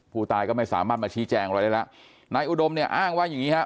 ผู้ตายก็ไม่สามารถมาชี้แจงอะไรได้แล้วนายอุดมเนี่ยอ้างว่าอย่างงี้ฮะ